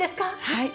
はい。